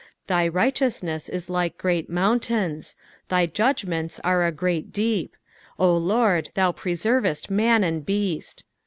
6 Thy righteousness « like the great mountains ; thy judgments are a great deep : O LoRD, thou preservest man and beast.